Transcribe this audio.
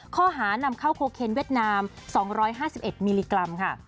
ข้อหานำเข้าโคเคนเวียดนาม๒๕๑มิลลิกรัมค่ะ